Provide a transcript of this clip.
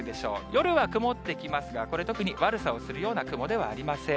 夜は曇ってきますが、これ特に、悪さをするような雲ではありません。